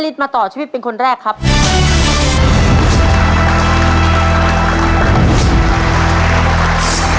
เพื่อชิงทุนต่อชีวิตสูงสุด๑ล้านบาท